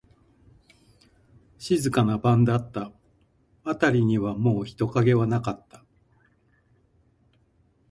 静かな晩だった。あたりにはもう人影はなかった。